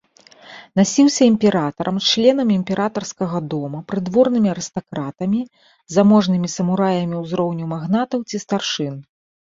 Насіўся імператарам, членамі імператарскага дома, прыдворнымі арыстакратамі, заможнымі самураямі ўзроўню магнатаў ці старшын.